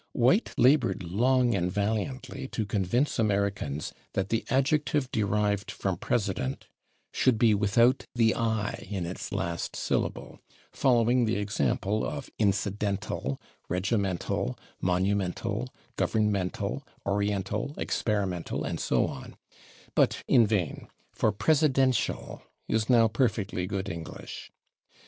White labored long and valiantly to convince Americans that the adjective derived from /president/ should be without the /i/ in its last syllable, following the example of /incidental/, /regimental/, /monumental/, /governmental/, /oriental/, /experimental/ and so on; but in vain, for /presidential/ is now perfectly good English.